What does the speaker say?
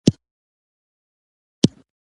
دا نیول کېدل پرته له وینو توېیدو او مقاومته وو.